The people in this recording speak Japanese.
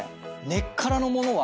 根っからのものは。